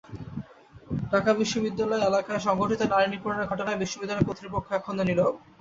ঢাকা বিশ্ববিদ্যালয় এলাকায় সংঘটিত নারী নিপীড়নের ঘটনায় বিশ্ববিদ্যালয় কর্তৃপক্ষ এখনো নীরব।